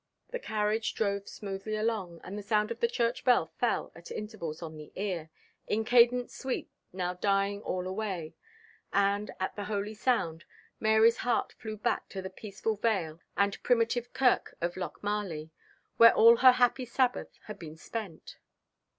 The carriage drove smoothly along, and the sound of the church bell fell at intervals on the ear, "in cadence sweet, now dying all away;" and, at the holy sound, Mary's heart flew back to the peaceful vale and primitive kirk of Lochmarlie, where all her happy Sabbath had been spent.